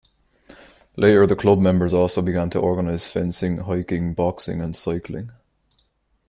Later the club members also began to organise fencing, hiking, boxing and cycling.